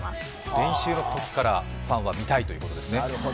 練習のときからファンは見たいということですね。